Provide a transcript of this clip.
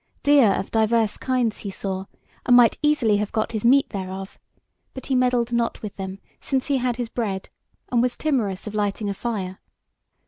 Deer of diverse kinds he saw, and might easily have got his meat thereof; but he meddled not with them since he had his bread, and was timorous of lighting a fire.